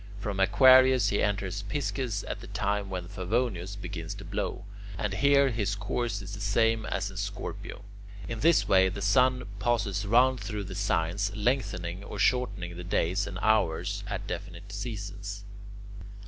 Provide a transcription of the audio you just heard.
From Aquarius he enters Pisces at the time when Favonius begins to blow, and here his course is the same as in Scorpio. In this way the sun passes round through the signs, lengthening or shortening the days and hours at definite seasons.